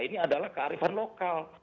ini adalah kearifan lokal